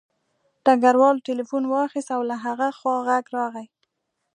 ډګروال تیلیفون واخیست او له هغه خوا غږ راغی